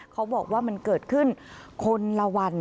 เขาบอกว่ามันเกิดขึ้นคนละวัน